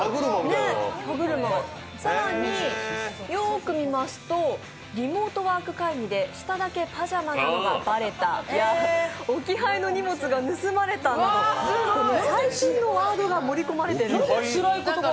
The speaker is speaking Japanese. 更に、よく見ますと「リモートワーク会議で下だけパジャマなのがバレた」や「置き配の荷物が盗まれた」など最新のワードが盛り込まれているんです。